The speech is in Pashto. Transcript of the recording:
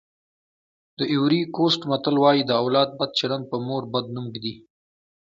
د ایوُري کوسټ متل وایي د اولاد بد چلند په مور بد نوم ږدي.